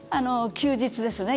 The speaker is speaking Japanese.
休日ですね